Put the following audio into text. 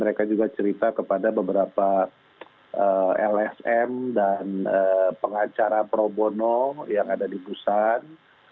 mereka juga cerita kepada beberapa lsm dan pengacara probono yang ada di busan